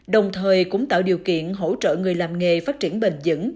đồng thời cũng tạo điều kiện hỗ trợ người làm nghề phát triển bền dững